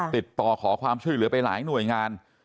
ติดต่อขอความช่วยเหลือไปหลายหน่วยงาน